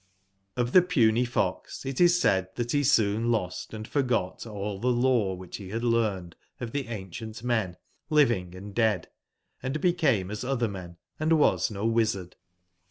^^^f the Puny fox it is said that he soon lost I^Nfllj and forgot all the lore which he had learned ^^^^ 1 of the ancient men, living and dead; and be came as other men and was no wizard.